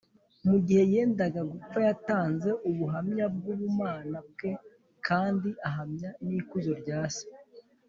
mu gihe yendaga gupfa, yatanze ubuhamya bw’ubumana bwe kandi ahamya n’ikuzo rya se